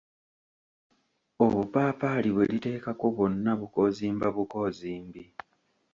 Obupaapali bweriteekako bwonna bukozimba bukozimbi.